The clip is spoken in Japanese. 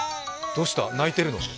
どうした、ないてるの？